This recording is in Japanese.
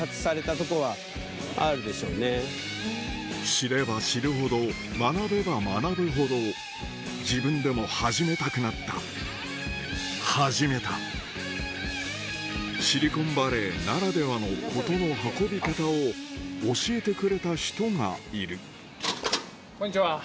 知れば知るほど学べば学ぶほど自分でも始めたくなった始めたシリコンバレーならではの事の運び方を教えてくれた人がいるこんにちは。